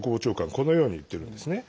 このように言ってるんですね。